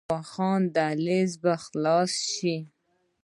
آیا واخان دهلیز به خلاص شي؟